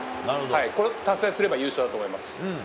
これを達成すれば優勝だと思います。